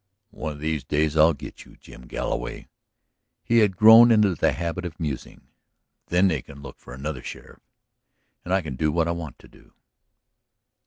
"One of these days I'll get you, Jim Galloway," he had grown into the habit of musing. "Then they can look for another sheriff and I can do what I want to do."